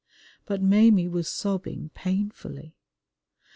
But Maimie was sobbing painfully.